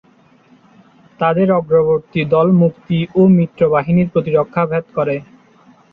তাদের অগ্রবর্তী দল মুক্তি ও মিত্র বাহিনীর প্রতিরক্ষা ভেদ করে।